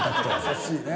優しいね。